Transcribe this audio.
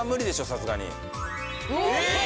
さすがにええ！？